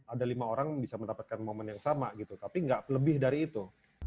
ada lima orang bisa mendapatkan momen yang sama gitu tapi nggak lebih dari itu